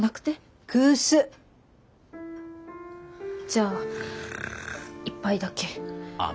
じゃあ一杯だけ。